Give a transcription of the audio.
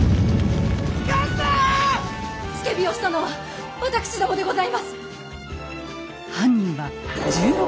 付け火をしたのはわたくしどもでございます。